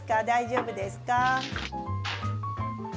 大丈夫ですか？